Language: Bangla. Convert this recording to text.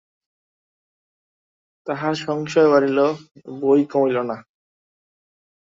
তাঁহার সংশয় বাড়িল বৈ কমিল না।